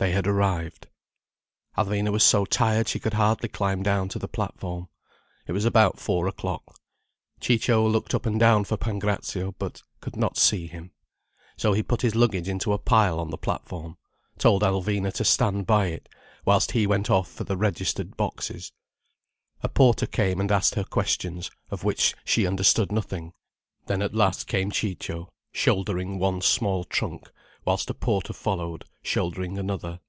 They had arrived. Alvina was so tired she could hardly climb down to the platform. It was about four o'clock. Ciccio looked up and down for Pancrazio, but could not see him. So he put his luggage into a pile on the platform, told Alvina to stand by it, whilst he went off for the registered boxes. A porter came and asked her questions, of which she understood nothing. Then at last came Ciccio, shouldering one small trunk, whilst a porter followed, shouldering another.